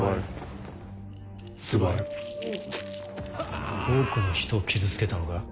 スマイル多くの人を傷つけたのか？